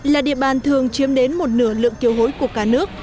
là địa bàn thường chiếm đến một nửa lượng kiều hối của cả nước